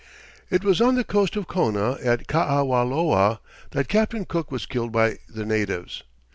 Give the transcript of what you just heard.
It was on the coast of Kona, at Kaawaloa, that Captain Cook was killed by the natives.